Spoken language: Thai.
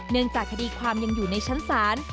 จากคดีความยังอยู่ในชั้นศาล